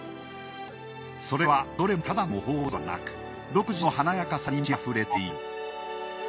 それはどれもただの模倣ではなく独自の華やかさに満ちあふれている。